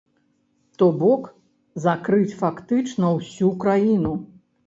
То бок, закрыць фактычна ўсю краіну.